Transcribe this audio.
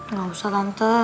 nggak usah tante